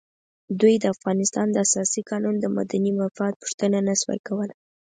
دوی د افغانستان د اساسي قانون د مدني مفاد پوښتنه نه شوای کولای.